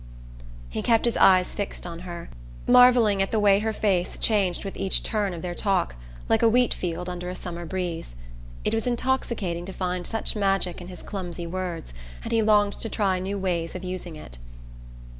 He kept his eyes fixed on her, marvelling at the way her face changed with each turn of their talk, like a wheat field under a summer breeze. It was intoxicating to find such magic in his clumsy words, and he longed to try new ways of using it.